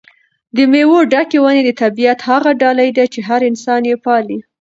د مېوو ډکې ونې د طبیعت هغه ډالۍ ده چې انسان یې پالي.